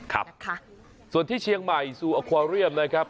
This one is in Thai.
ครับนะคะส่วนที่เชียงใหม่ซูอควาเรียมนะครับ